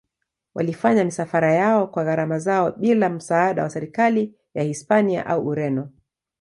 Walifanya misafara yao kwa gharama zao bila msaada wa serikali ya Hispania au Ureno.